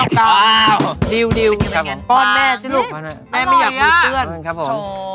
เข้าดิวป้อนแม่สิลูกแม่ไม่อยากคุยกับเพื่อนโอ้โฮ